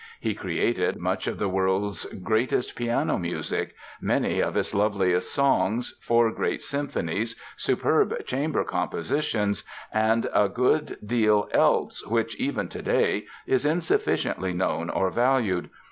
He created much of the world's greatest piano music, many of its loveliest songs, four great symphonies, superb chamber compositions and a good deal else which, even today, is insufficiently known or valued.